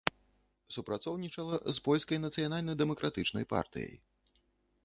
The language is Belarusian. Супрацоўнічала з польскай нацыянальна-дэмакратычнай партыяй.